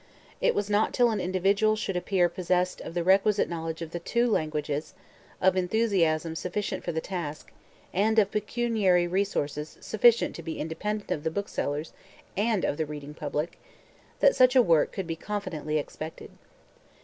It was not till an individual should appear possessed of the requisite knowledge of the two languages, of enthusiasm sufficient for the task, and of pecuniary resources sufficient to be independent of the booksellers and of the reading public, that such a work could be confidently expected.